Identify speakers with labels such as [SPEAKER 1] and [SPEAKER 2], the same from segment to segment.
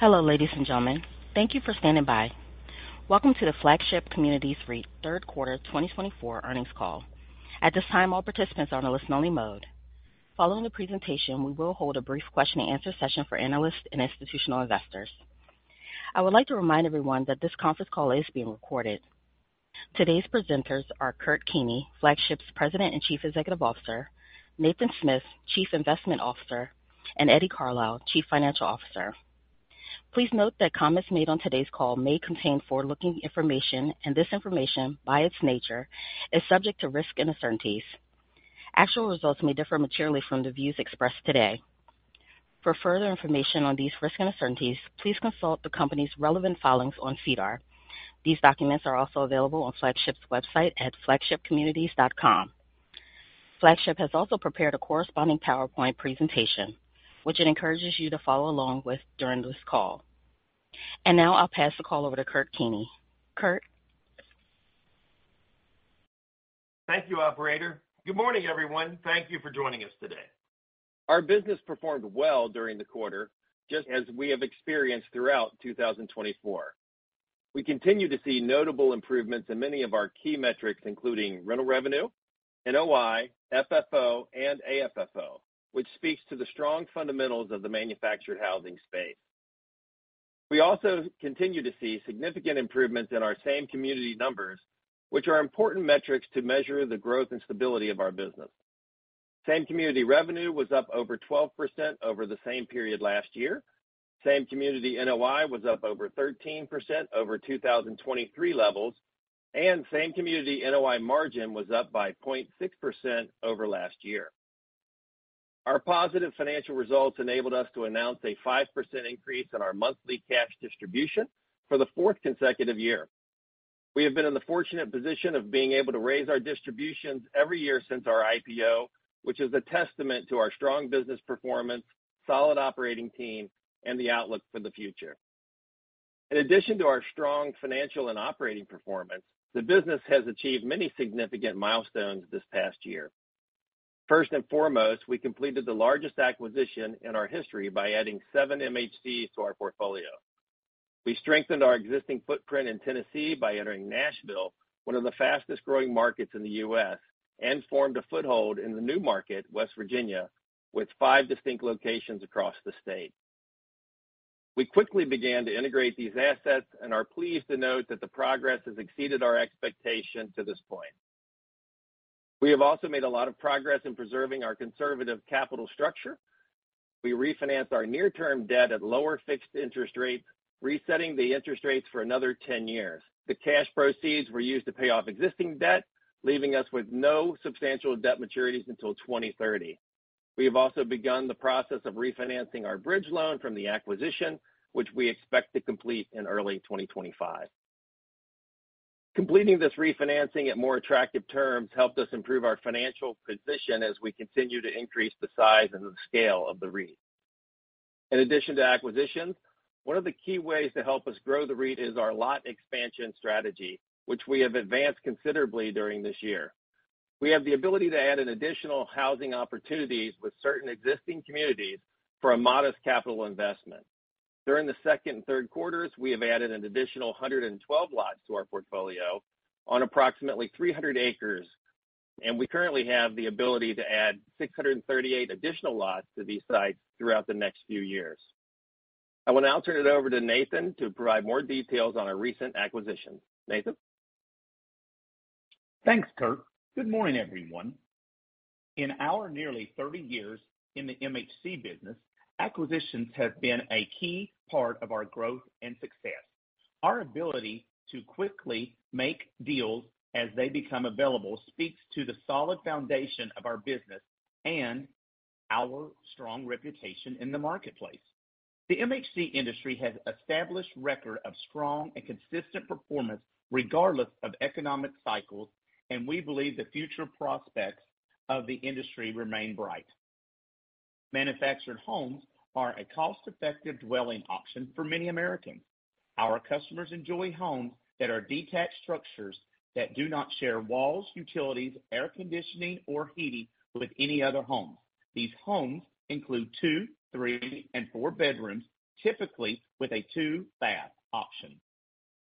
[SPEAKER 1] Hello, ladies and gentlemen. Thank you for standing by. Welcome to the Flagship Communities Real Estate Investment Trust Third Quarter 2024 Earnings Call. At this time, all participants are on a listen-only mode. Following the presentation, we will hold a brief question-and-answer session for analysts and institutional investors. I would like to remind everyone that this conference call is being recorded. Today's presenters are Kurt Keeney, Flagship's President and Chief Executive Officer. Nathan Smith, Chief Investment Officer. And Eddie Carlisle, Chief Financial Officer. Please note that comments made on today's call may contain forward-looking information, and this information, by its nature, is subject to risk and uncertainties. Actual results may differ materially from the views expressed today. For further information on these risks and uncertainties, please consult the company's relevant filings on SEDAR. These documents are also available on Flagship's website at flagshipcommunities.com. Flagship has also prepared a corresponding PowerPoint presentation, which it encourages you to follow along with during this call. And now I'll pass the call over to Kurt Keeney. Kurt.
[SPEAKER 2] Thank you, operator. Good morning, everyone. Thank you for joining us today. Our business performed well during the quarter, just as we have experienced throughout 2024. We continue to see notable improvements in many of our key metrics, including rental revenue, NOI, FFO, and AFFO, which speaks to the strong fundamentals of the manufactured housing space. We also continue to see significant improvements in our Same Community numbers, which are important metrics to measure the growth and stability of our business. Same Community revenue was up over 12% over the same period last year. Same Community NOI was up over 13% over 2023 levels, and Same Community NOI margin was up by 0.6% over last year. Our positive financial results enabled us to announce a 5% increase in our monthly cash distribution for the fourth consecutive year. We have been in the fortunate position of being able to raise our distributions every year since our IPO, which is a testament to our strong business performance, solid operating team, and the outlook for the future. In addition to our strong financial and operating performance, the business has achieved many significant milestones this past year. First and foremost, we completed the largest acquisition in our history by adding seven MHCs to our portfolio. We strengthened our existing footprint in Tennessee by entering Nashville, one of the fastest-growing markets in the U.S., and formed a foothold in the new market, West Virginia, with five distinct locations across the state. We quickly began to integrate these assets and are pleased to note that the progress has exceeded our expectations to this point. We have also made a lot of progress in preserving our conservative capital structure. We refinanced our near-term debt at lower fixed interest rates, resetting the interest rates for another 10 years. The cash proceeds were used to pay off existing debt, leaving us with no substantial debt maturities until 2030. We have also begun the process of refinancing our bridge loan from the acquisition, which we expect to complete in early 2025. Completing this refinancing at more attractive terms helped us improve our financial position as we continue to increase the size and the scale of the REIT. In addition to acquisitions, one of the key ways to help us grow the REIT is our lot expansion strategy, which we have advanced considerably during this year. We have the ability to add additional housing opportunities with certain existing communities for a modest capital investment. During the second and third quarters, we have added an additional 112 lots to our portfolio on approximately 300 acres, and we currently have the ability to add 638 additional lots to these sites throughout the next few years. I will now turn it over to Nathan to provide more details on our recent acquisitions. Nathan?
[SPEAKER 3] Thanks, Kurt. Good morning, everyone. In our nearly 30 years in the MHC business, acquisitions have been a key part of our growth and success. Our ability to quickly make deals as they become available speaks to the solid foundation of our business and our strong reputation in the marketplace. The MHC industry has an established record of strong and consistent performance regardless of economic cycles, and we believe the future prospects of the industry remain bright. Manufactured homes are a cost-effective dwelling option for many Americans. Our customers enjoy homes that are detached structures that do not share walls, utilities, air conditioning, or heating with any other homes. These homes include two, three, and four bedrooms, typically with a two-bath option.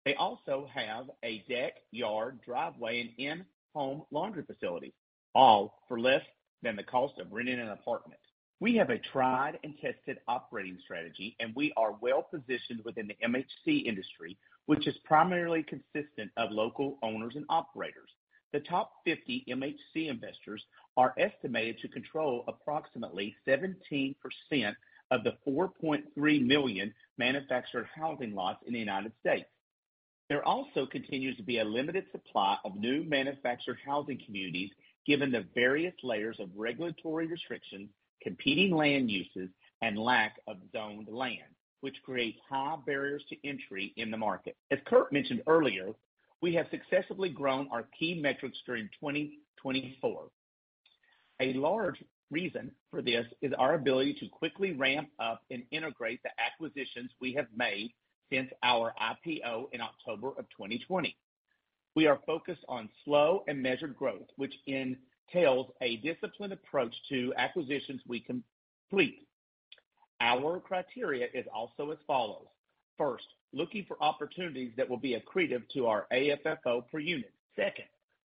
[SPEAKER 3] They also have a deck, yard, driveway, and in-home laundry facilities, all for less than the cost of renting an apartment. We have a tried-and-tested operating strategy, and we are well-positioned within the MHC industry, which is primarily consistent of local owners and operators. The top 50 MHC investors are estimated to control approximately 17% of the 4.3 million manufactured housing lots in the United States. There also continues to be a limited supply of new manufactured housing communities, given the various layers of regulatory restrictions, competing land uses, and lack of zoned land, which creates high barriers to entry in the market. As Kurt mentioned earlier, we have successfully grown our key metrics during 2024. A large reason for this is our ability to quickly ramp up and integrate the acquisitions we have made since our IPO in October of 2020. We are focused on slow and measured growth, which entails a disciplined approach to acquisitions we complete. Our criteria is also as follows: first, looking for opportunities that will be accretive to our AFFO per unit. Second,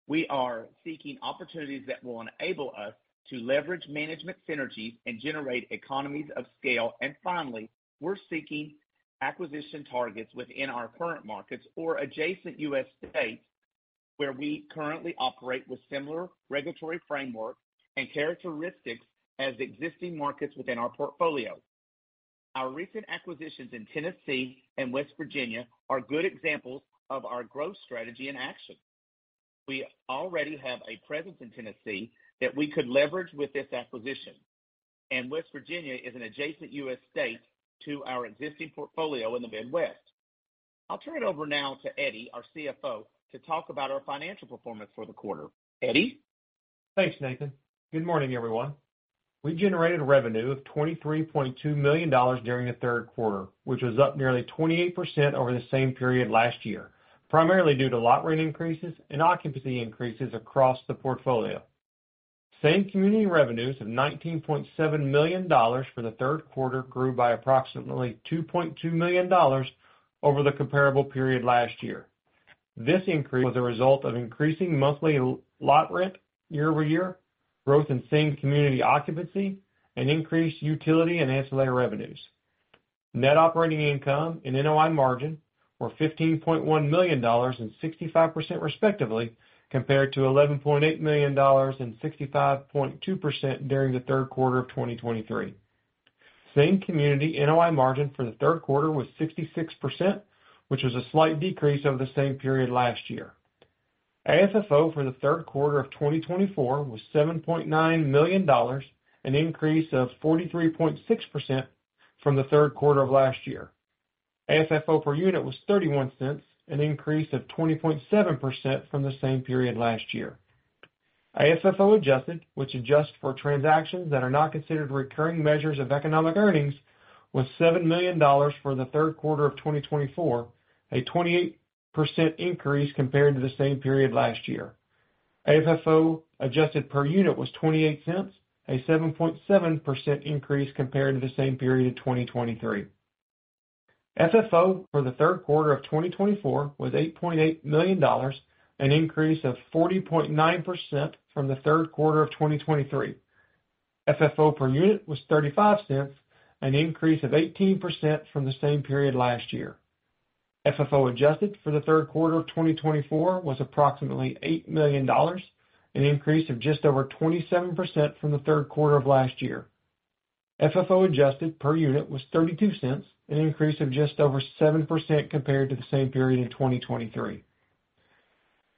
[SPEAKER 3] we are seeking opportunities that will enable us to leverage management synergies and generate economies of scale. And finally, we're seeking acquisition targets within our current markets or adjacent U.S. states where we currently operate with similar regulatory frameworks and characteristics as existing markets within our portfolio. Our recent acquisitions in Tennessee and West Virginia are good examples of our growth strategy in action. We already have a presence in Tennessee that we could leverage with this acquisition, and West Virginia is an adjacent U.S. state to our existing portfolio in the Midwest. I'll turn it over now to Eddie, our CFO, to talk about our financial performance for the quarter. Eddie.
[SPEAKER 4] Thanks, Nathan. Good morning, everyone. We generated revenue of $23.2 million during the third quarter, which was up nearly 28% over the same period last year, primarily due to lot rate increases and occupancy increases across the portfolio. Same Community revenues of $19.7 million for the third quarter grew by approximately $2.2 million over the comparable period last year. This increase was a result of increasing monthly lot rent year-over-year, growth in Same Community occupancy, and increased utility and ancillary revenues. Net operating income and NOI margin were $15.1 million and 65% respectively, compared to $11.8 million and 65.2% during the third quarter of 2023. Same Community NOI margin for the third quarter was 66%, which was a slight decrease over the same period last year. AFFO for the third quarter of 2024 was $7.9 million, an increase of 43.6% from the third quarter of last year. AFFO per unit was $0.31, an increase of 20.7% from the same period last year. AFFO adjusted, which adjusts for transactions that are not considered recurring measures of economic earnings, was $7 million for the third quarter of 2024, a 28% increase compared to the same period last year. AFFO adjusted per unit was $0.28, a 7.7% increase compared to the same period in 2023. FFO for the third quarter of 2024 was $8.8 million, an increase of 40.9% from the third quarter of 2023. FFO per unit was $0.35, an increase of 18% from the same period last year. FFO adjusted for the third quarter of 2024 was approximately $8 million, an increase of just over 27% from the third quarter of last year. FFO adjusted per unit was $0.32, an increase of just over 7% compared to the same period in 2023.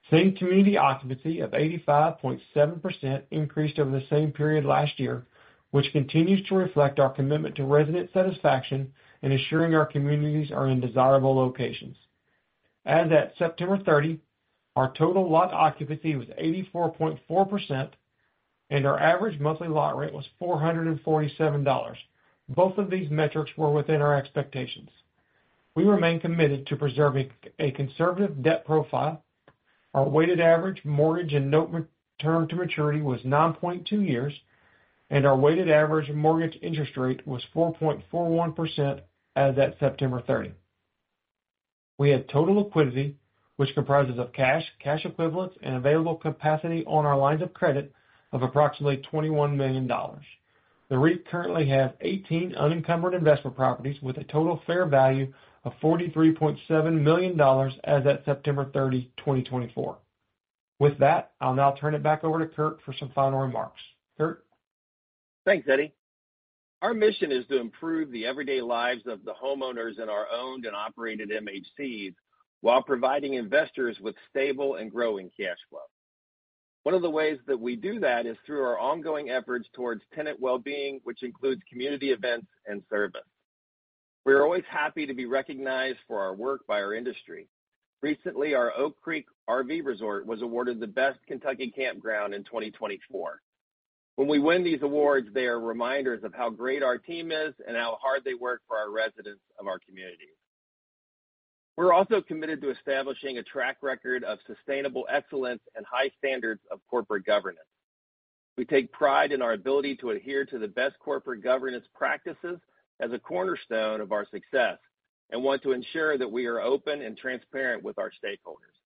[SPEAKER 4] Same Community occupancy of 85.7% increased over the same period last year, which continues to reflect our commitment to resident satisfaction and ensuring our communities are in desirable locations. As at September 30, our total lot occupancy was 84.4%, and our average monthly lot rate was $447. Both of these metrics were within our expectations. We remain committed to preserving a conservative debt profile. Our weighted average mortgage and notes term to maturity was 9.2 years, and our weighted average mortgage interest rate was 4.41% as at September 30. We had total liquidity, which comprises cash, cash equivalents, and available capacity on our lines of credit of approximately $21 million. The REIT currently has 18 unencumbered investment properties with a total fair value of $43.7 million as at September 30, 2024. With that, I'll now turn it back over to Kurt for some final remarks. Kurt.
[SPEAKER 2] Thanks, Eddie. Our mission is to improve the everyday lives of the homeowners in our owned and operated MHCs while providing investors with stable and growing cash flow. One of the ways that we do that is through our ongoing efforts towards tenant well-being, which includes community events and service. We are always happy to be recognized for our work by our industry. Recently, our Oak Creek RV Resort was awarded the Best Kentucky Campground in 2024. When we win these awards, they are reminders of how great our team is and how hard they work for our residents of our community. We're also committed to establishing a track record of sustainable excellence and high standards of corporate governance. We take pride in our ability to adhere to the best corporate governance practices as a cornerstone of our success and want to ensure that we are open and transparent with our stakeholders.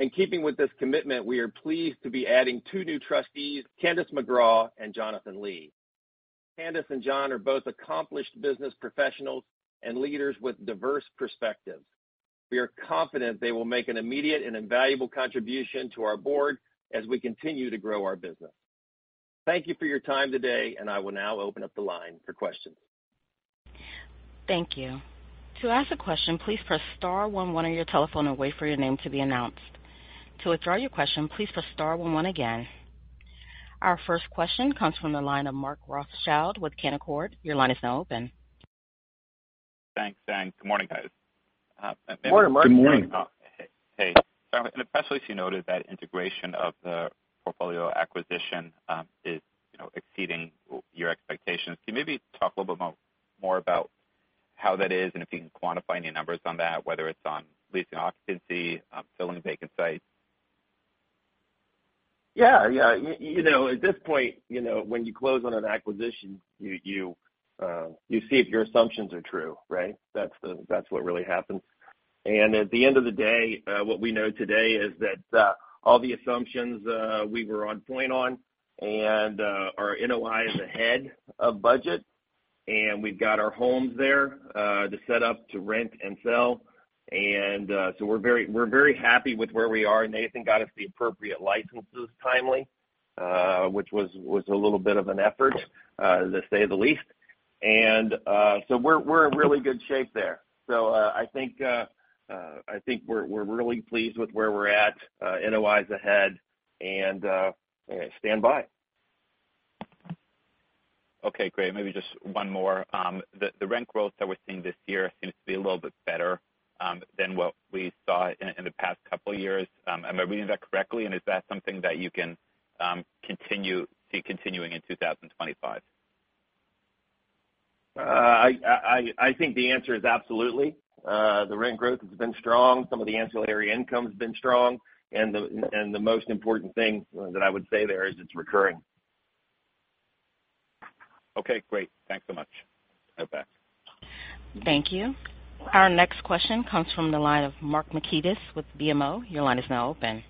[SPEAKER 2] In keeping with this commitment, we are pleased to be adding two new trustees, Candace McGraw and Jonathan Lee. Candace and John are both accomplished business professionals and leaders with diverse perspectives. We are confident they will make an immediate and invaluable contribution to our board as we continue to grow our business. Thank you for your time today, and I will now open up the line for questions.
[SPEAKER 1] Thank you. To ask a question, please press star one one on your telephone and wait for your name to be announced. To withdraw your question, please press star one one again. Our first question comes from the line of Mark Rothschild with Canaccord. Your line is now open.
[SPEAKER 5] Thanks, and good morning, guys.
[SPEAKER 4] Good morning, Mark.
[SPEAKER 2] Good morning.
[SPEAKER 5] Hey. And especially as you noted that integration of the portfolio acquisition is exceeding your expectations. Can you maybe talk a little bit more about how that is and if you can quantify any numbers on that, whether it's on leasing occupancy, filling vacant sites?
[SPEAKER 2] Yeah. You know, at this point, you know when you close on an acquisition, you see if your assumptions are true, right? That's what really happens. And at the end of the day, what we know today is that all the assumptions we were on point on, and our NOI is ahead of budget, and we've got our homes there to set up to rent and sell. And so we're very happy with where we are. Nathan got us the appropriate licenses timely, which was a little bit of an effort, to say the least. And so we're in really good shape there. So I think we're really pleased with where we're at, NOI is ahead, and stand by.
[SPEAKER 5] Okay, great. Maybe just one more. The rent growth that we're seeing this year seems to be a little bit better than what we saw in the past couple of years. Am I reading that correctly, and is that something that you can continue seeing continuing in 2025?
[SPEAKER 2] I think the answer is absolutely. The rent growth has been strong. Some of the ancillary income has been strong, and the most important thing that I would say there is it's recurring.
[SPEAKER 5] Okay, great. Thanks so much. I'll back.
[SPEAKER 1] Thank you. Our next question comes from the line of Mike Markidis with BMO. Your line is now open.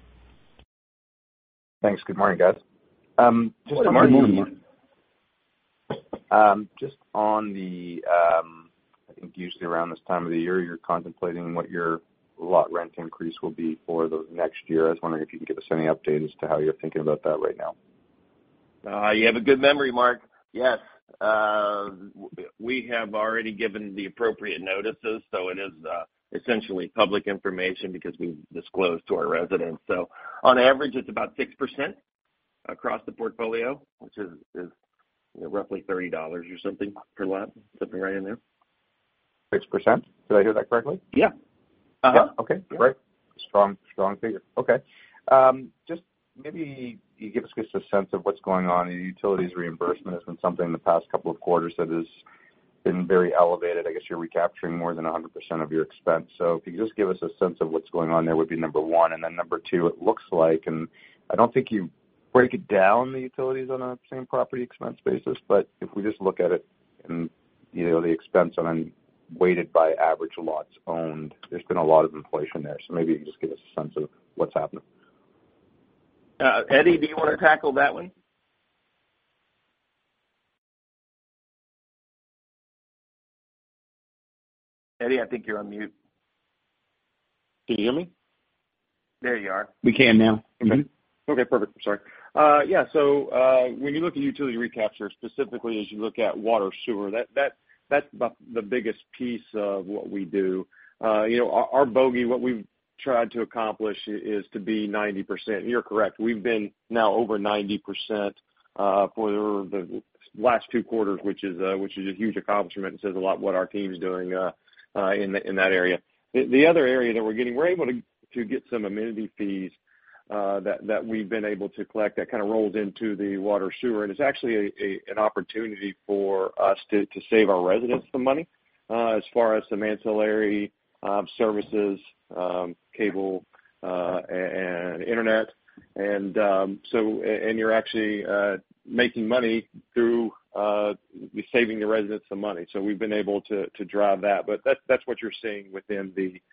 [SPEAKER 6] Thanks. Good morning, guys.
[SPEAKER 2] Good morning.
[SPEAKER 4] Good morning.
[SPEAKER 6] Just on the, I think usually around this time of the year, you're contemplating what your lot rent increase will be for the next year. I was wondering if you could give us any updates as to how you're thinking about that right now.
[SPEAKER 2] You have a good memory, Mark. Yes. We have already given the appropriate notices, so it is essentially public information because we've disclosed to our residents. So on average, it's about 6% across the portfolio, which is roughly $30 or something per lot, something right in there.
[SPEAKER 6] 6%? Did I hear that correctly?
[SPEAKER 2] Yeah. Yeah.
[SPEAKER 6] Okay. Great. Strong figure. Okay. Just maybe you give us just a sense of what's going on. Utilities reimbursement has been something in the past couple of quarters that has been very elevated. I guess you're recapturing more than 100% of your expense. So if you could just give us a sense of what's going on, that would be number one. And then number two, it looks like, and I don't think you break it down, the utilities on a same property expense basis, but if we just look at it and the expense on weighted by average lots owned, there's been a lot of inflation there. So maybe you can just give us a sense of what's happening.
[SPEAKER 2] Eddie, do you want to tackle that one? Eddie, I think you're on mute.
[SPEAKER 4] Can you hear me?
[SPEAKER 2] There you are. We can now.
[SPEAKER 4] Okay. Perfect. I'm sorry. Yeah. So when you look at utility recapture specifically, as you look at water sewer, that's the biggest piece of what we do. Our bogey, what we've tried to accomplish is to be 90%. You're correct. We've been now over 90% for the last two quarters, which is a huge accomplishment. It says a lot about what our team's doing in that area. The other area that we're getting, we're able to get some amenity fees that we've been able to collect that kind of rolls into the water sewer. And it's actually an opportunity for us to save our residents some money as far as some ancillary services, cable, and internet. And you're actually making money through saving the residents some money. So we've been able to drive that. But that's what you're seeing within the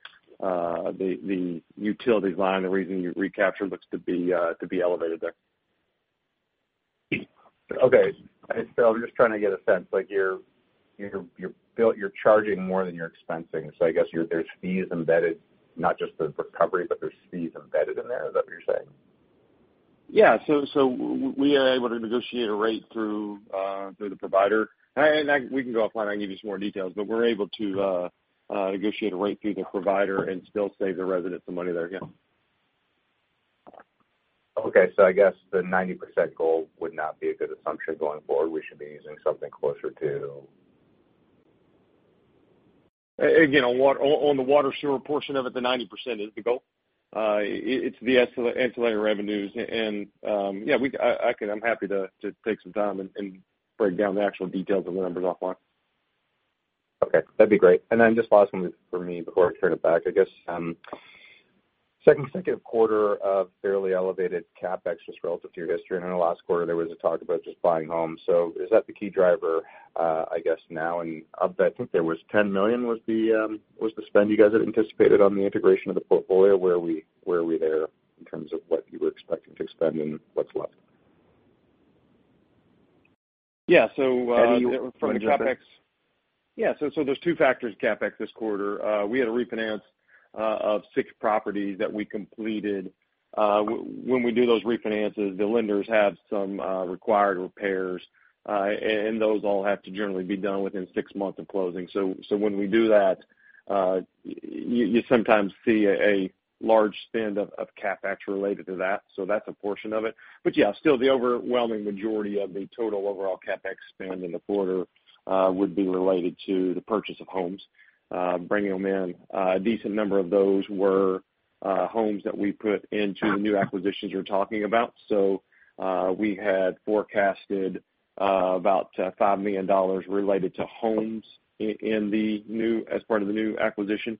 [SPEAKER 4] utility line. The reason you recapture looks to be elevated there.
[SPEAKER 6] Okay. So I'm just trying to get a sense. You're charging more than you're expensing. So I guess there's fees embedded, not just the recovery, but there's fees embedded in there. Is that what you're saying?
[SPEAKER 2] Yeah. So we are able to negotiate a rate through the provider. And we can go offline. I can give you some more details, but we're able to negotiate a rate through the provider and still save the residents some money there. Yeah.
[SPEAKER 6] Okay. So I guess the 90% goal would not be a good assumption going forward. We should be using something closer to.
[SPEAKER 2] Again, on the water sewer portion of it, the 90% is the goal. It's the ancillary revenues. And yeah, I'm happy to take some time and break down the actual details of the numbers offline.
[SPEAKER 6] Okay. That'd be great. And then just last one for me before I turn it back, I guess. Second quarter of fairly elevated CapEx just relative to your history. And then last quarter, there was a talk about just buying homes. So is that the key driver, I guess, now? And I think there was $10 million was the spend you guys had anticipated on the integration of the portfolio. Where are we there in terms of what you were expecting to expend and what's left?
[SPEAKER 4] Yeah. So from the CapEx.
[SPEAKER 2] Eddie, you want to go first?
[SPEAKER 4] Yeah. So there's two factors in CapEx this quarter. We had a refinance of six properties that we completed. When we do those refinances, the lenders have some required repairs, and those all have to generally be done within six months of closing. So when we do that, you sometimes see a large spend of CapEx related to that. So that's a portion of it. But yeah, still, the overwhelming majority of the total overall CapEx spend in the quarter would be related to the purchase of homes, bringing them in. A decent number of those were homes that we put into the new acquisitions we're talking about. So we had forecasted about $5 million related to homes as part of the new acquisition.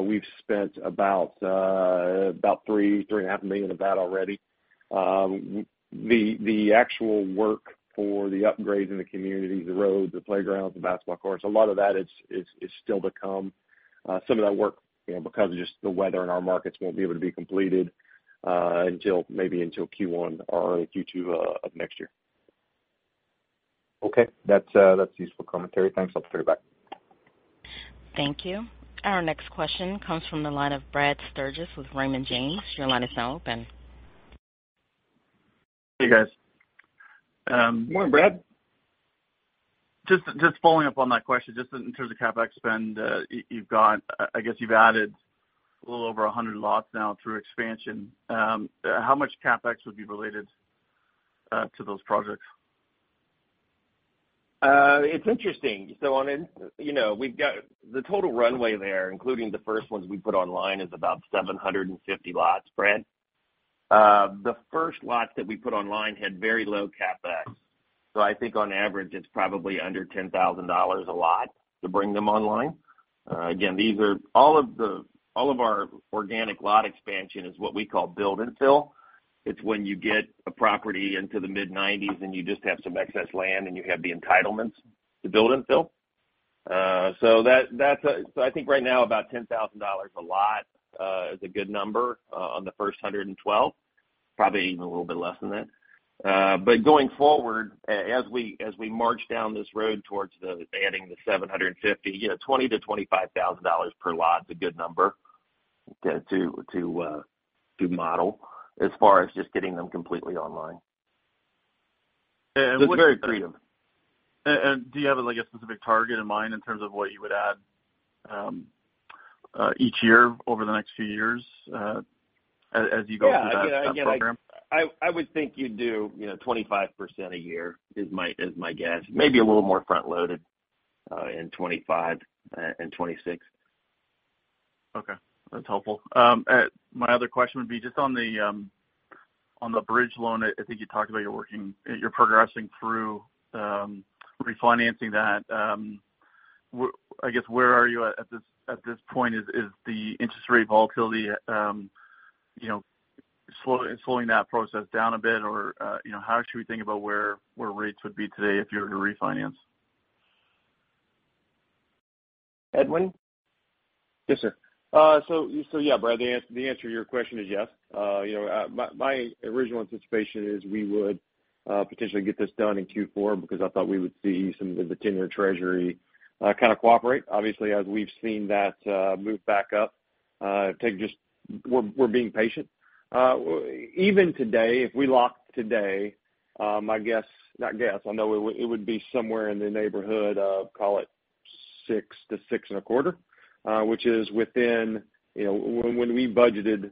[SPEAKER 4] We've spent about $3.5 million of that already. The actual work for the upgrades in the communities, the roads, the playgrounds, the basketball courts, a lot of that is still to come. Some of that work, because of just the weather and our markets, won't be able to be completed maybe until Q1 or Q2 of next year.
[SPEAKER 6] Okay. That's useful commentary. Thanks. I'll turn it back.
[SPEAKER 1] Thank you. Our next question comes from the line of Brad Sturges with Raymond James. Your line is now open.
[SPEAKER 7] Hey, guys.
[SPEAKER 2] Morning, Brad.
[SPEAKER 7] Just following up on that question, just in terms of CapEx spend, I guess you've added a little over 100 lots now through expansion. How much CapEx would be related to those projects?
[SPEAKER 2] It's interesting. So we've got the total runway there, including the first ones we put online, is about 750 lots, Brad. The first lots that we put online had very low CapEx. So I think on average, it's probably under $10,000 a lot to bring them online. Again, these are all of our organic lot expansion is what we call build-and-fill. It's when you get a property into the mid-90s and you just have some excess land and you have the entitlements to build-and-fill. So I think right now about $10,000 a lot is a good number on the first 112, probably even a little bit less than that. But going forward, as we march down this road towards adding the 750, $20,000-$25,000 per lot is a good number to model as far as just getting them completely online. It's very creative.
[SPEAKER 7] Do you have a specific target in mind in terms of what you would add each year over the next few years as you go through that program?
[SPEAKER 2] Yeah. I would think you'd do 25% a year is my guess. Maybe a little more front-loaded in 2025 and 2026.
[SPEAKER 7] Okay. That's helpful. My other question would be just on the bridge loan. I think you talked about you're progressing through refinancing that. I guess where are you at this point? Is the interest rate volatility slowing that process down a bit, or how should we think about where rates would be today if you were to refinance?
[SPEAKER 2] Edwin?
[SPEAKER 4] Yes, sir. Yeah, Brad, the answer to your question is yes. My original anticipation is we would potentially get this done in Q4 because I thought we would see some of the 10-year Treasury kind of cooperate. Obviously, as we've seen that move back up, we're being patient. Even today, if we locked today, I guess, not guess, I know it would be somewhere in the neighborhood of, call it, six to six and a quarter, which is within when we budgeted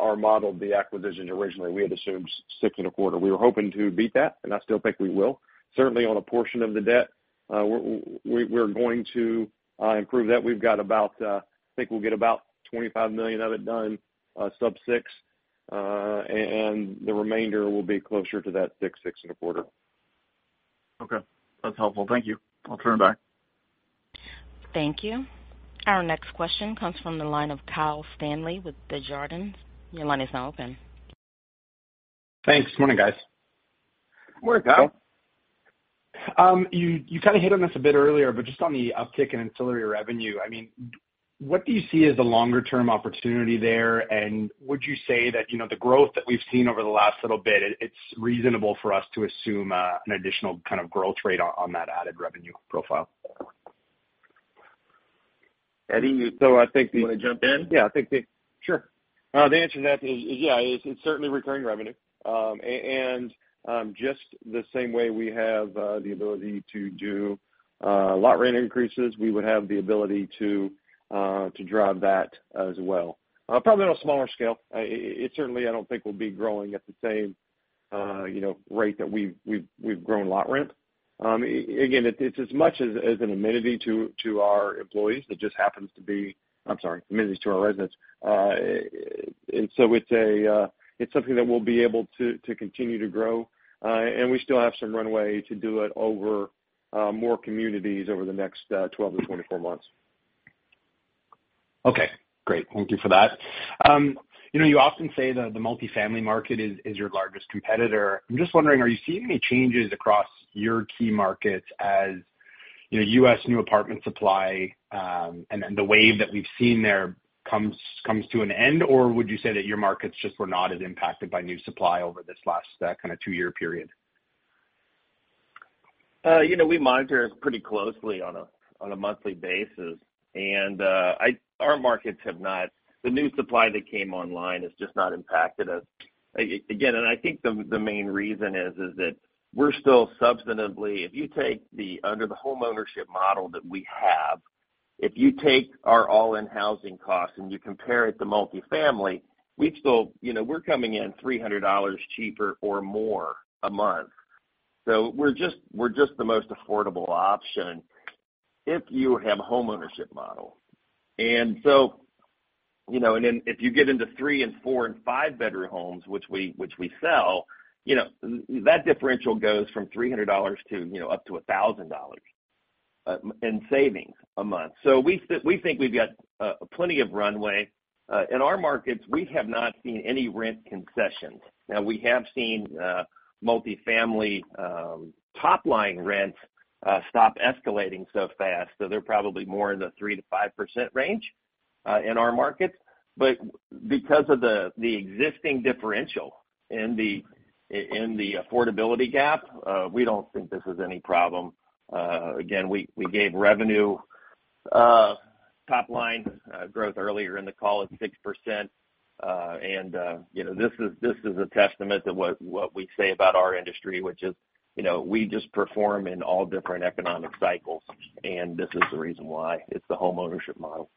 [SPEAKER 4] our model of the acquisitions originally, we had assumed six and a quarter. We were hoping to beat that, and I still think we will. Certainly, on a portion of the debt, we're going to improve that. We've got about, I think we'll get about $25 million of it done, sub-six, and the remainder will be closer to that six, six and a quarter.
[SPEAKER 7] Okay. That's helpful. Thank you. I'll turn it back.
[SPEAKER 1] Thank you. Our next question comes from the line of Kyle Stanley with Desjardins. Your line is now open.
[SPEAKER 8] Thanks. Morning, guys.
[SPEAKER 4] Morning, Kyle.
[SPEAKER 8] You kind of hit on this a bit earlier, but just on the uptick in ancillary revenue, I mean, what do you see as the longer-term opportunity there? And would you say that the growth that we've seen over the last little bit, it's reasonable for us to assume an additional kind of growth rate on that added revenue profile?
[SPEAKER 2] Eddie, so I think. You want to jump in?
[SPEAKER 4] Yeah, I think. Sure. The answer to that is, yeah, it's certainly recurring revenue. And just the same way we have the ability to do lot rent increases, we would have the ability to drive that as well. Probably on a smaller scale. It certainly, I don't think, will be growing at the same rate that we've grown lot rent. Again, it's as much as an amenity to our employees. It just happens to be, I'm sorry, amenities to our residents. And so it's something that we'll be able to continue to grow. And we still have some runway to do it over more communities over the next 12 to 24 months.
[SPEAKER 8] Okay. Great. Thank you for that. You often say that the multifamily market is your largest competitor. I'm just wondering, are you seeing any changes across your key markets as U.S. new apartment supply and the wave that we've seen there comes to an end? Or would you say that your markets just were not as impacted by new supply over this last kind of two-year period?
[SPEAKER 2] We monitor it pretty closely on a monthly basis. And our markets have not. The new supply that came online has just not impacted us. Again, and I think the main reason is that we're still substantially, if you take the under the homeownership model that we have, if you take our all-in housing costs and you compare it to multifamily, we're coming in $300 cheaper or more a month. So we're just the most affordable option if you have a homeownership model. And so if you get into three and four and five-bedroom homes, which we sell, that differential goes from $300 to up to $1,000 in savings a month. So we think we've got plenty of runway. In our markets, we have not seen any rent concessions. Now, we have seen multifamily top-line rents stop escalating so fast. So they're probably more in the 3%-5% range in our markets. But because of the existing differential in the affordability gap, we don't think this is any problem. Again, we gave revenue top-line growth earlier in the call at 6%. And this is a testament to what we say about our industry, which is we just perform in all different economic cycles. And this is the reason why it's the homeownership model.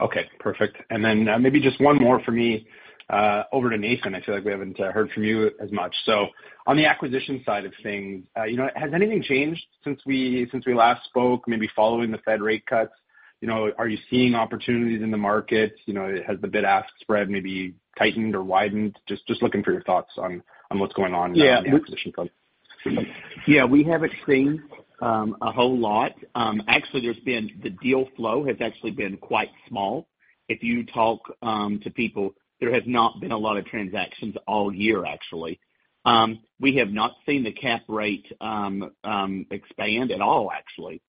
[SPEAKER 8] Okay. Perfect. And then maybe just one more for me over to Nathan. I feel like we haven't heard from you as much. So on the acquisition side of things, has anything changed since we last spoke, maybe following the Fed rate cuts? Are you seeing opportunities in the markets? Has the bid-ask spread maybe tightened or widened? Just looking for your thoughts on what's going on in the acquisition side.
[SPEAKER 2] Yeah. We haven't seen a whole lot. Actually, the deal flow has actually been quite small. If you talk to people, there has not been a lot of transactions all year, actually. We have not seen the cap rate expand at all, actually.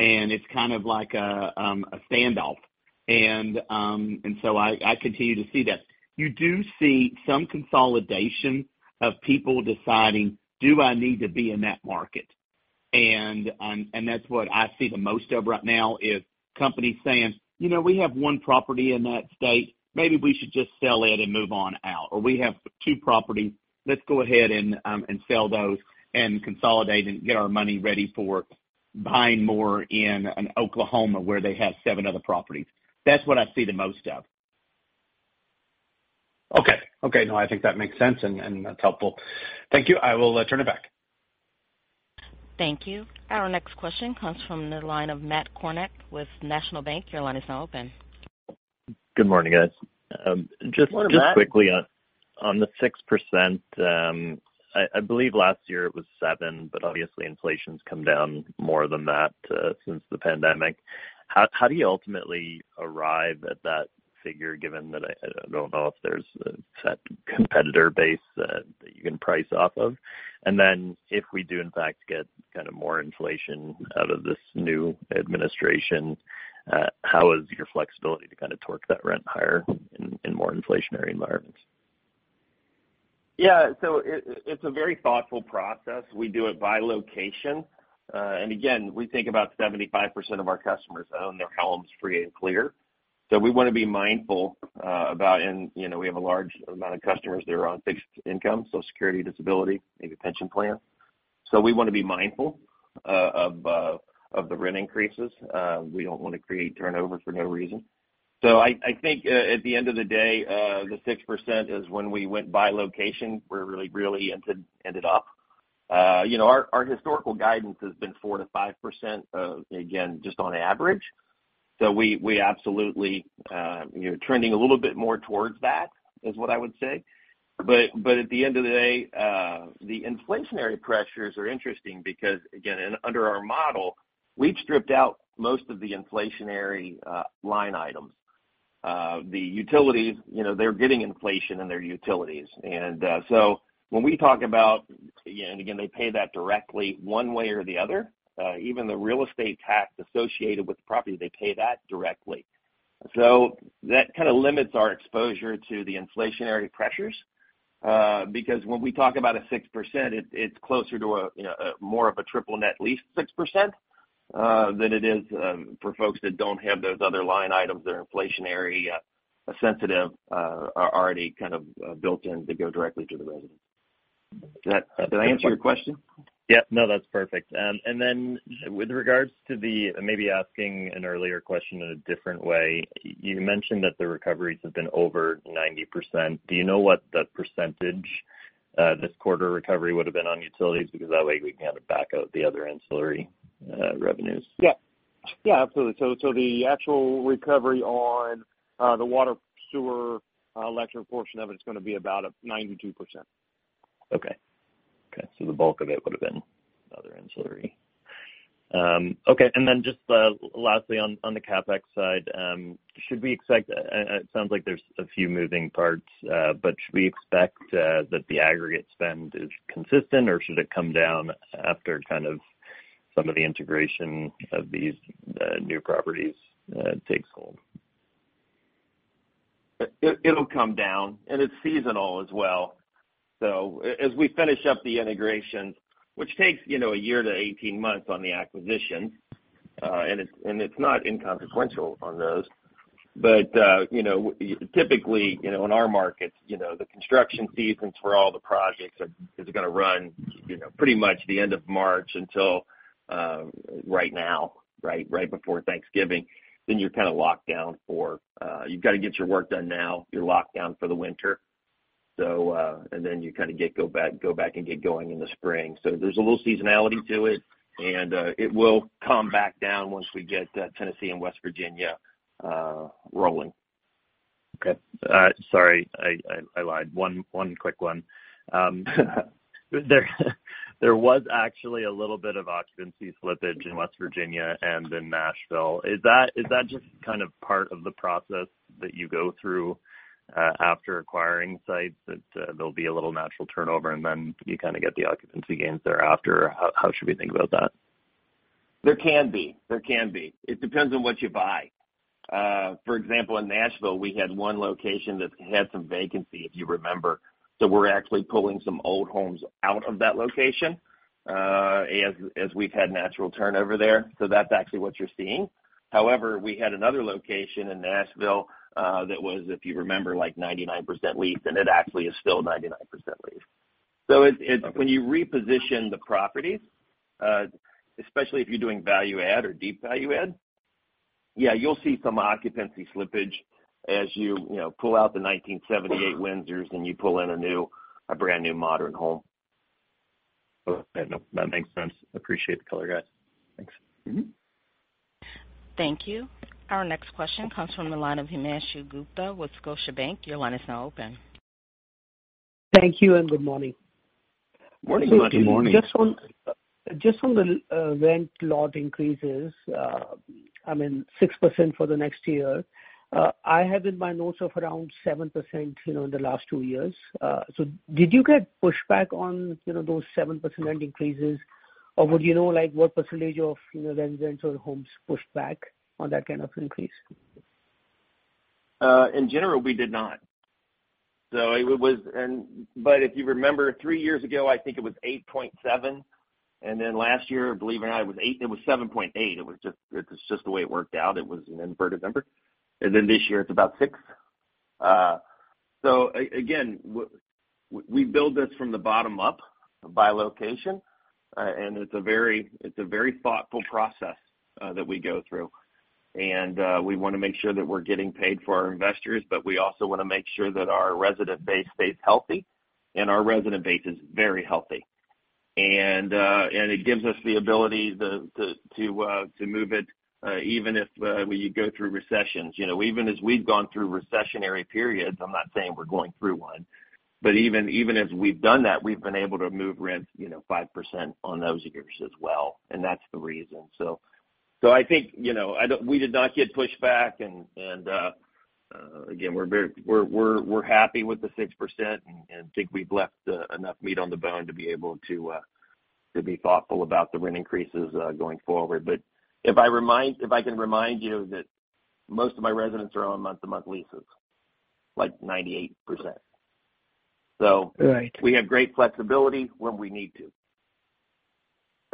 [SPEAKER 2] And it's kind of like a standoff. And so I continue to see that. You do see some consolidation of people deciding, "Do I need to be in that market?" And that's what I see the most of right now is companies saying, "We have one property in that state. Maybe we should just sell it and move on out." Or, "We have two properties. Let's go ahead and sell those and consolidate and get our money ready for buying more in Oklahoma where they have seven other properties." That's what I see the most of.
[SPEAKER 8] Okay. Okay. No, I think that makes sense, and that's helpful. Thank you. I will turn it back.
[SPEAKER 1] Thank you. Our next question comes from the line of Matt Kornack with National Bank. Your line is now open.
[SPEAKER 9] Good morning, guys. Just quickly. On the 6%, I believe last year it was 7%, but obviously, inflation's come down more than that since the pandemic. How do you ultimately arrive at that figure, given that I don't know if there's a set competitor base that you can price off of? And then if we do, in fact, get kind of more inflation out of this new administration, how is your flexibility to kind of torque that rent higher in more inflationary environments?
[SPEAKER 2] Yeah. So it's a very thoughtful process. We do it by location. And again, we think about 75% of our customers own their homes free and clear. So we want to be mindful about, and we have a large amount of customers that are on fixed income, Social Security, disability, maybe pension plan. So we want to be mindful of the rent increases. We don't want to create turnover for no reason. So I think at the end of the day, the 6% is when we went by location, we're really ended up. Our historical guidance has been 4%-5%, again, just on average. So we absolutely are trending a little bit more towards that, is what I would say. But at the end of the day, the inflationary pressures are interesting because, again, under our model, we've stripped out most of the inflationary line items. The utilities, they're getting inflation in their utilities. And so when we talk about, again, they pay that directly one way or the other. Even the real estate tax associated with the property, they pay that directly. So that kind of limits our exposure to the inflationary pressures because when we talk about a 6%, it's closer to more of a triple net lease 6% than it is for folks that don't have those other line items that are inflationary sensitive, are already kind of built in to go directly to the residents. Did I answer your question?
[SPEAKER 9] Yeah. No, that's perfect. And then with regards to the, maybe asking an earlier question in a different way, you mentioned that the recoveries have been over 90%. Do you know what the percentage this quarter recovery would have been on utilities? Because that way, we can kind of back out the other ancillary revenues.
[SPEAKER 2] Yeah. Yeah, absolutely. So the actual recovery on the water, sewer, electric portion of it is going to be about 92%.
[SPEAKER 9] Okay, so the bulk of it would have been other ancillary. Okay. And then just lastly, on the CapEx side, should we expect? It sounds like there's a few moving parts, but should we expect that the aggregate spend is consistent, or should it come down after kind of some of the integration of these new properties takes hold?
[SPEAKER 2] It'll come down, and it's seasonal as well, so as we finish up the integration, which takes a year to 18 months on the acquisition, and it's not inconsequential on those, but typically, in our markets, the construction seasons for all the projects is going to run pretty much the end of March until right now, right before Thanksgiving, then you're kind of locked down for, you've got to get your work done now. You're locked down for the winter, and then you kind of go back and get going in the spring, so there's a little seasonality to it, and it will come back down once we get Tennessee and West Virginia rolling.
[SPEAKER 9] Okay. Sorry, I lied. One quick one. There was actually a little bit of occupancy slippage in West Virginia and in Nashville. Is that just kind of part of the process that you go through after acquiring sites that there'll be a little natural turnover, and then you kind of get the occupancy gains thereafter? How should we think about that?
[SPEAKER 2] There can be. There can be. It depends on what you buy. For example, in Nashville, we had one location that had some vacancy, if you remember. So we're actually pulling some old homes out of that location as we've had natural turnover there. So that's actually what you're seeing. However, we had another location in Nashville that was, if you remember, like 99% leased, and it actually is still 99% leased. So when you reposition the properties, especially if you're doing value-add or deep value-add, yeah, you'll see some occupancy slippage as you pull out the 1978 Windsors and you pull in a brand new modern home.
[SPEAKER 9] Okay. That makes sense. Appreciate the color, guys. Thanks.
[SPEAKER 1] Thank you. Our next question comes from the line of Himanshu Gupta with Scotiabank. Your line is now open.
[SPEAKER 10] Thank you and good morning.
[SPEAKER 4] Morning.
[SPEAKER 2] Good morning.
[SPEAKER 10] Just on the rent lot increases, I mean, 6% for the next year. I have in my notes of around 7% in the last two years. So did you get pushback on those 7% rent increases, or would you know what percentage of residents or homes pushed back on that kind of increase?
[SPEAKER 2] In general, we did not, but if you remember, three years ago, I think it was 8.7, and then last year, believe it or not, it was 7.8. It was just the way it worked out. It was an inverted number, and then this year, it's about six, so again, we build this from the bottom up by location, and it's a very thoughtful process that we go through, and we want to make sure that we're getting paid for our investors, but we also want to make sure that our resident base stays healthy, and our resident base is very healthy, and it gives us the ability to move it even if we go through recessions, even as we've gone through recessionary periods. I'm not saying we're going through one, but even as we've done that, we've been able to move rents 5% on those years as well. That's the reason. I think we did not get pushed back. Again, we're happy with the 6% and think we've left enough meat on the bone to be able to be thoughtful about the rent increases going forward. If I can remind you that most of my residents are on month-to-month leases, like 98%. We have great flexibility when we need to.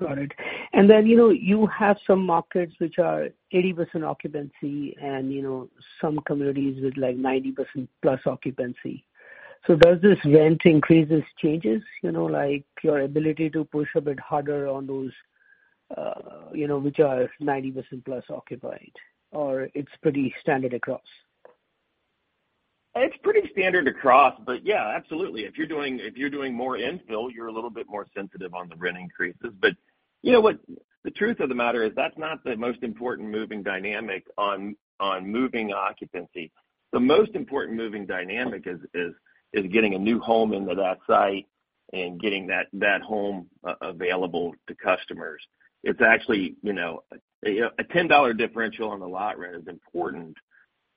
[SPEAKER 10] Got it. And then you have some markets which are 80% occupancy and some communities with like 90% plus occupancy. So does this rent increase changes, like your ability to push a bit harder on those which are 90% plus occupied, or it's pretty standard across?
[SPEAKER 2] It's pretty standard across, but yeah, absolutely. If you're doing more infill, you're a little bit more sensitive on the rent increases. But you know what? The truth of the matter is that's not the most important moving dynamic on moving occupancy. The most important moving dynamic is getting a new home into that site and getting that home available to customers. It's actually a $10 differential on the lot rent is important,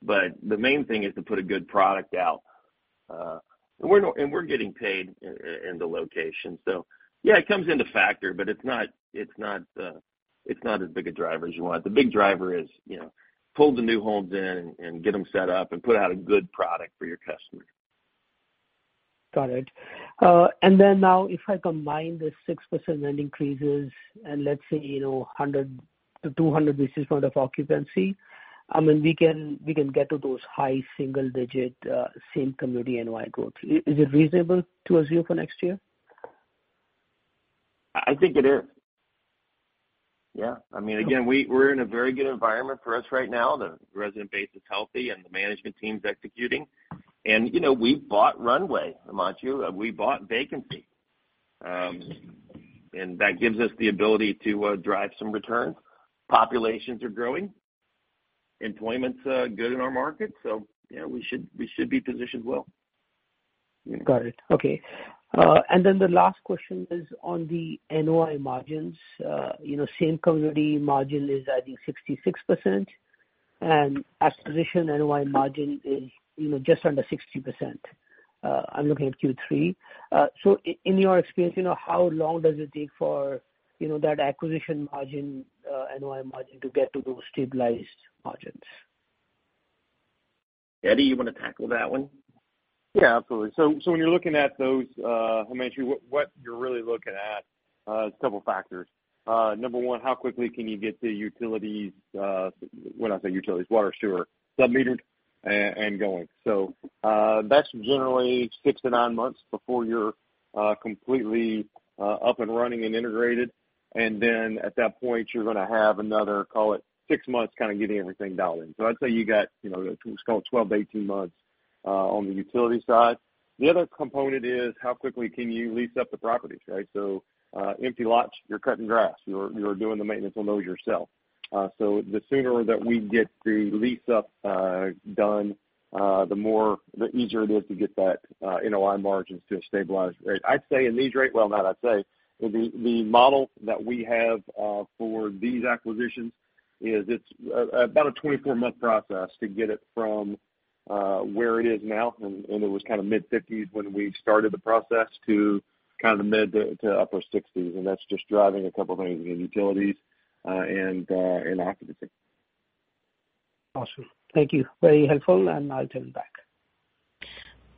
[SPEAKER 2] but the main thing is to put a good product out. And we're getting paid in the location. So yeah, it comes into factor, but it's not as big a driver as you want. The big driver is pull the new homes in and get them set up and put out a good product for your customers.
[SPEAKER 10] Got it. And then now, if I combine the 6% rent increases and let's say 100-200 basis points of occupancy, I mean, we can get to those high single-digit same-community NOI growth. Is it reasonable to assume for next year?
[SPEAKER 2] I think it is. Yeah. I mean, again, we're in a very good environment for us right now. The resident base is healthy, and the management team's executing. And we bought runway, among others. We bought vacancy. And that gives us the ability to drive some returns. Populations are growing. Employment's good in our market. So yeah, we should be positioned well.
[SPEAKER 10] Got it. Okay. And then the last question is on the NOI margins. Same-community margin is, I think, 66%. And acquisition NOI margin is just under 60%. I'm looking at Q3. So in your experience, how long does it take for that acquisition margin, NOI margin, to get to those stabilized margins?
[SPEAKER 2] Eddie, you want to tackle that one?
[SPEAKER 4] Yeah, absolutely. So when you're looking at those, Himanshu, what you're really looking at is a couple of factors. Number one, how quickly can you get the utilities, well, not say utilities, water, sewer, submetered and going? So that's generally six to nine months before you're completely up and running and integrated. And then at that point, you're going to have another, call it six months, kind of getting everything dialed in. So I'd say you got what's called 12-18 months on the utility side. The other component is how quickly can you lease up the properties, right? So empty lots, you're cutting grass. You're doing the maintenance on those yourself. So the sooner that we get the lease up done, the easier it is to get that NOI margins to a stabilized rate. I'd say in these rates, well, not I'd say. The model that we have for these acquisitions is it's about a 24-month process to get it from where it is now, and it was kind of mid-50s when we started the process, to kind of mid to upper 60s, and that's just driving a couple of things in utilities and occupancy.
[SPEAKER 10] Awesome. Thank you. Very helpful, and I'll turn it back.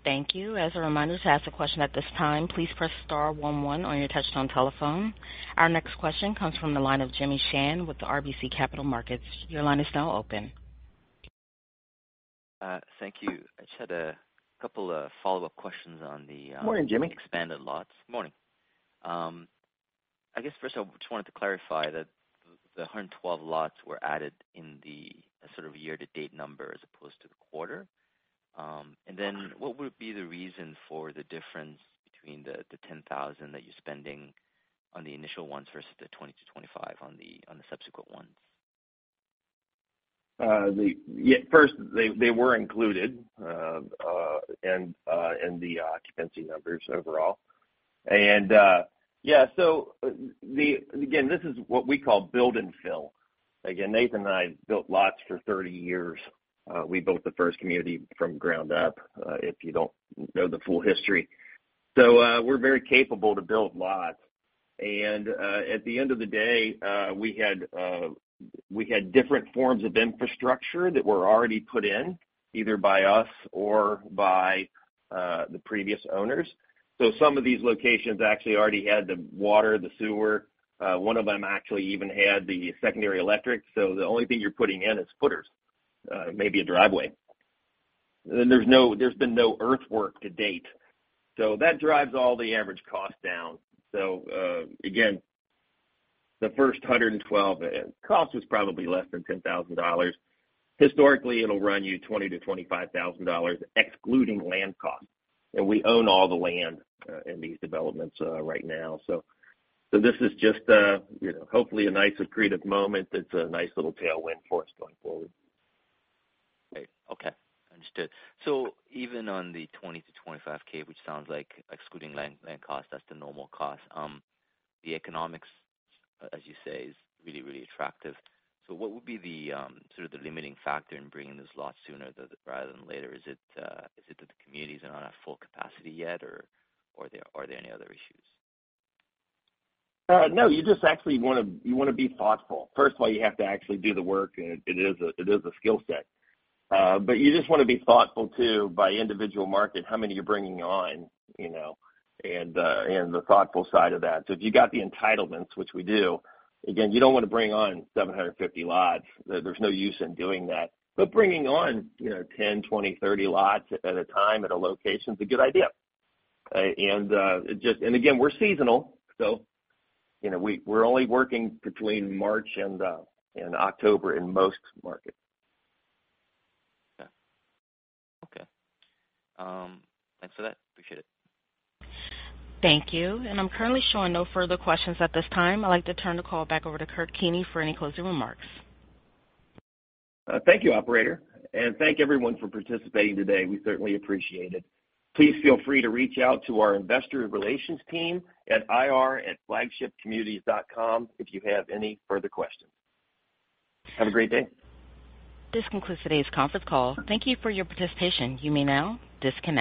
[SPEAKER 1] Thank you. As a reminder, to ask a question at this time, please press star one one on your touch-tone telephone. Our next question comes from the line of Jimmy Shan with the RBC Capital Markets. Your line is now open.
[SPEAKER 11] Thank you. I just had a couple of follow-up questions on the.
[SPEAKER 2] Morning, Jimmy.
[SPEAKER 11] Expanded lots. Morning. I guess, first of all, just wanted to clarify that the 112 lots were added in the sort of year-to-date number as opposed to the quarter. And then what would be the reason for the difference between the $10,000 that you're spending on the initial ones versus the $20,000-$25,000 on the subsequent ones?
[SPEAKER 2] First, they were included in the occupancy numbers overall, and yeah, so again, this is what we call build and fill. Again, Nathan and I built lots for 30 years. We built the first community from ground up, if you don't know the full history, so we're very capable to build lots, and at the end of the day, we had different forms of infrastructure that were already put in, either by us or by the previous owners, so some of these locations actually already had the water, the sewer. One of them actually even had the secondary electric, so the only thing you're putting in is footers, maybe a driveway. There's been no earthwork to date, so that drives all the average cost down, so again, the first 112, the cost was probably less than $10,000. Historically, it'll run you $20,000-$25,000, excluding land cost. And we own all the land in these developments right now. So this is just hopefully a nice creative moment that's a nice little tailwind for us going forward.
[SPEAKER 11] Great. Okay. Understood. So even on the $20-25K, which sounds like excluding land cost, that's the normal cost, the economics, as you say, is really, really attractive. So what would be sort of the limiting factor in bringing those lots sooner rather than later? Is it that the communities are not at full capacity yet, or are there any other issues?
[SPEAKER 2] No, you just actually want to be thoughtful. First of all, you have to actually do the work. It is a skill set. But you just want to be thoughtful too by individual market, how many you're bringing on, and the thoughtful side of that. So if you got the entitlements, which we do, again, you don't want to bring on 750 lots. There's no use in doing that. But bringing on 10, 20, 30 lots at a time at a location is a good idea. And again, we're seasonal, so we're only working between March and October in most markets.
[SPEAKER 11] Okay. Okay. Thanks for that. Appreciate it.
[SPEAKER 1] Thank you. I'm currently showing no further questions at this time. I'd like to turn the call back over to Kurt Keeney for any closing remarks.
[SPEAKER 2] Thank you, operator. And thank everyone for participating today. We certainly appreciate it. Please feel free to reach out to our investor relations team at ir@flagshipcommunities.com if you have any further questions. Have a great day.
[SPEAKER 1] This concludes today's conference call. Thank you for your participation. You may now disconnect.